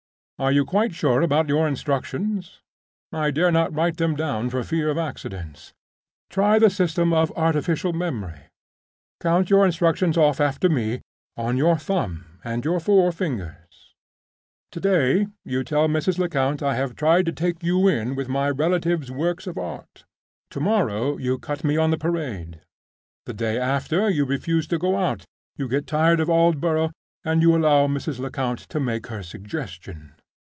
Are you quite sure about your instructions? I dare not write them down for fear of accidents. Try the system of artificial memory; count your instructions off after me, on your thumb and your four fingers. To day you tell Mrs. Lecount I have tried to take you in with my relative's works of Art. To morrow you cut me on the Parade. The day after you refuse to go out, you get tired of Aldborough, and you allow Mrs. Lecount to make her suggestion.